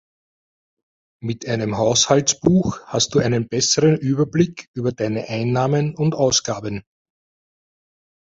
Mit einem Haushaltsbuch hast du einen besseren Überblick über deine Einnahmen und Ausgaben.